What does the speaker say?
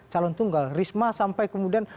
calon tunggal risma sampai kemudian